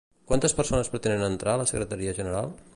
Quantes persones pretenen entrar a la Secretaria General?